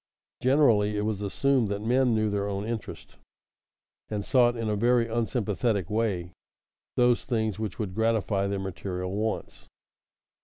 Generally it was assumed that men knew their own interest, and sought in a very unsympathetic way those things which would gratify their material wants.